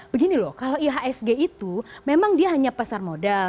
begini loh kalau ihsg itu memang dia hanya pasar modal